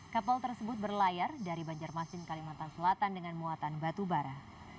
kapal tersebut berlayar dari banjarmasin kalimantan selatan dengan muatan batu bara